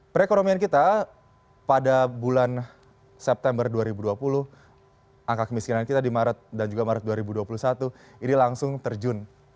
perekonomian kita pada bulan september dua ribu dua puluh angka kemiskinan kita di maret dan juga maret dua ribu dua puluh satu ini langsung terjun